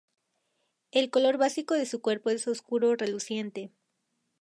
El color básico de su cuerpo es oscuro reluciente.